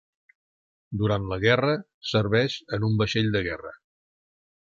Durant la guerra serveix en un vaixell de guerra.